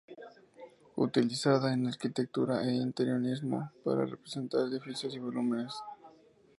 Utilizada en arquitectura e interiorismo para representar edificios y volúmenes.